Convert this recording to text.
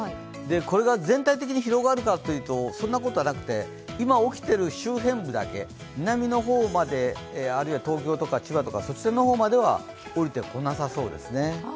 これが全体的に広がるかというと、そんなことはなくて今、起きている周辺部だけ南の方まであるいは東京とか千葉とか、そちらの方までは下りてこなさそうですね。